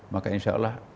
maka insya allah